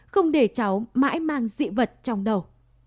không để cháu mãi mang dị vật trong đầu